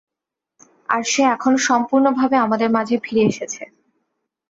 আর সে এখন সম্পূর্ণভাবে আমাদের মাঝে ফিরে এসেছে।